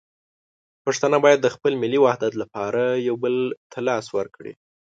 پښتانه باید د خپل ملي وحدت لپاره یو بل ته لاس ورکړي.